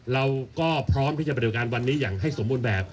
เราก็พร้อมที่จะบริการวันนี้อย่างให้สมบูรณ์แบบ